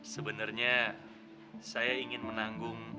sebenernya saya ingin menanggung